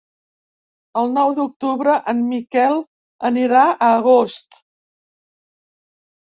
El nou d'octubre en Miquel anirà a Agost.